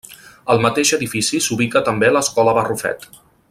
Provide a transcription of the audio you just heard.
Al mateix edifici s'ubica també l'escola Barrufet.